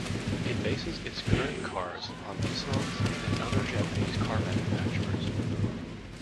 It bases its current cars on Nissans and other Japanese car manufacturers.